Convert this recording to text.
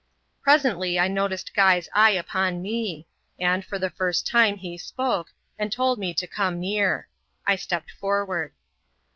Presently I noticed Guy's eye upon me ; and, for the first time, he spoke, and told me to come near. I stepped forward.